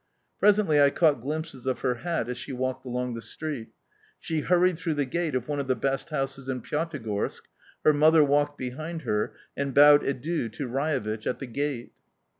Presently I caught glimpses of her hat as she walked along the street. She hurried through the gate of one of the best houses in Pyatigorsk; her mother walked behind her and bowed adieu to Raevich at the gate.